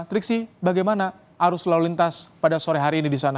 triksi bagaimana arus lalu lintas pada sore hari ini di sana